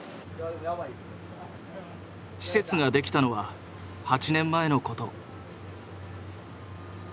施設ができたのは８年前のこと。